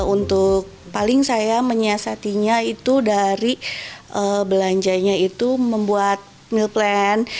untuk paling saya menyiasatinya itu dari belanjanya itu membuat meal plan